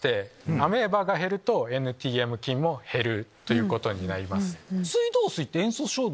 アメーバが減るとＮＴＭ菌も減ることになります。